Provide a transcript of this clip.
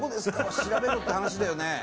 調べろって話だよね